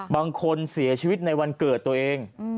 บางคนเสียชีวิตในวันเกิดตัวเอง